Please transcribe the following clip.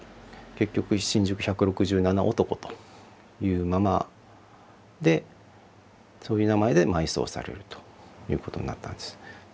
結局「新宿百六十七男」というままでそういう名前で埋葬されるということになったんです。